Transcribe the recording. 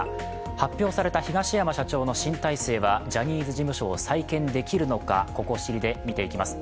発表された東山社長の新体制はジャニーズ事務所を再建できるのか「ココ知り」で見ていきます。